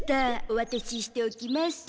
おわたししておきます。